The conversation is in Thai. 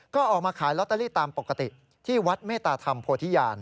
ก็ออกมาขายลอตเตอรี่ตามปกติที่วัดเมตตาธรรมโพธิญาณ